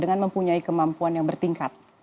dengan mempunyai kemampuan yang bertingkat